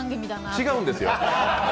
違うんですよ。